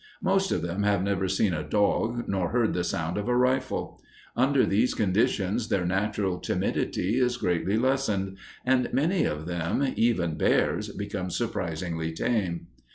Most of them have never seen a dog nor heard the sound of a rifle. Under these conditions their natural timidity is greatly lessened, and many of them, even bears, become surprisingly tame.